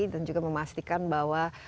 dan juga memastikan bahwa